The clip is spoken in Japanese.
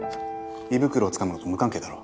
胃袋をつかむのと無関係だろ。